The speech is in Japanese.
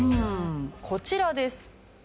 こちらです。